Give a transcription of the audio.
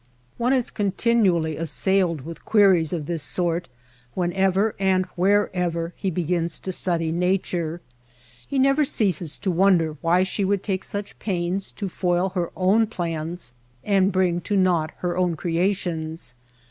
One is continually assailed with queries of this sort whenever and wherever he begins to study lN*ature. He never ceases to wonder why she should take such pains to foil her own plans and bring to naught her own creations.